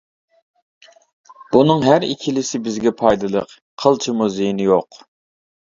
بۇنىڭ ھەر ئىككىلىسى بىزگە پايدىلىق، قىلچىمۇ زىيىنى يوق.